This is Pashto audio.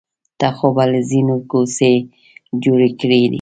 ته خو به له څڼو کوڅۍ جوړې کړې.